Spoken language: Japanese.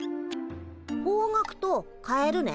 「方角」と「変える」ね。